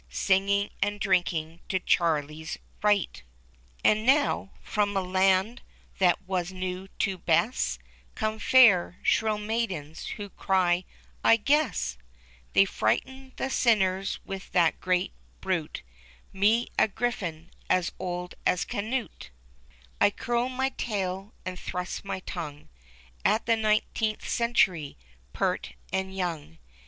Singing, and drinking to " Charlie's right." THE CHILDREN'S WONDER BOOK. And now, from a land that was new to Bess, Come fair, shrill maidens, who cry : I guess They frightened the sinners with that great brute — Me, a Griffin as old as Canute ! "TO CHARLIE'S RIGHT!" I curl my tail, and thrust my tongue At the nineteenth century, pert and young.